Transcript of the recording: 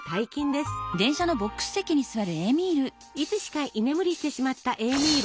いつしか居眠りしてしまったエーミール。